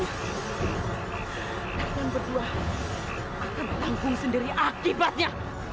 kapan berdua akan tanggung sendiri akibatnya